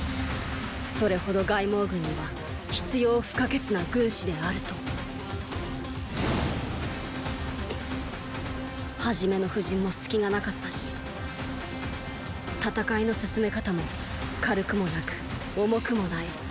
それほど凱孟軍には必要不可欠な軍師であると初めの布陣も隙がなかったし戦いの進め方も軽くもなく重くもない。